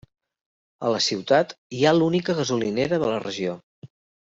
A la ciutat hi ha l'única gasolinera de la regió.